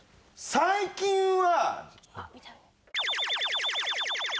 最近は。